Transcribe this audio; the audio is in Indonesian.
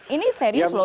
ini serius loh